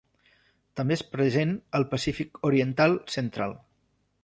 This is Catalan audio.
També és present al Pacífic oriental central.